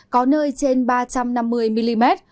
có nơi trên ba trăm năm mươi mm